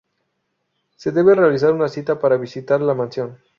Se debe realizar una cita para visitar la mansión.